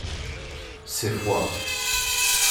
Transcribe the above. C’est froid.